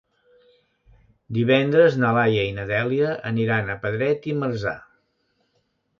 Divendres na Laia i na Dèlia aniran a Pedret i Marzà.